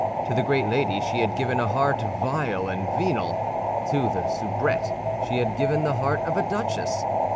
To the great lady she had given a heart vile and venal; to the soubrette she had given the heart of a duchess.